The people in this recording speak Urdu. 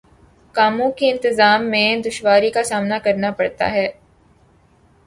کاموں کے انتظام میں دشواری کا سامنا کرنا پڑتا تھا